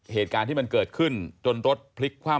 เหตุการณ์ที่มันเกิดขึ้นจนรถพลิกคว่ำ